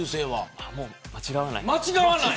もう間違わない。